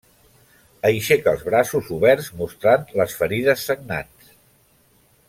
Aixeca els braços oberts mostrant les ferides sagnants.